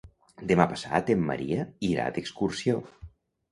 Demà passat en Maria irà d'excursió.